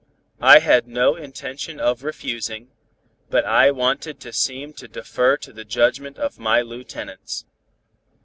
I had no intention of refusing, but I wanted to seem to defer to the judgment of my lieutenants.